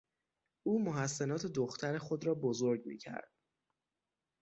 او محسنات دختر خود را بزرگ میکرد.